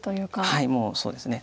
はいもうそうですね。